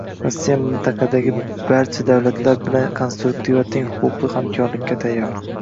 Rossiya mintaqadagi barcha davlatlar bilan konstruktiv va teng huquqli hamkorlikka tayyor